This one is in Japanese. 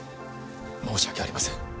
申し訳ありません。